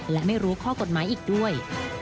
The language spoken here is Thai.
และไม่รู้ข้อกฎหมายอีกด้วย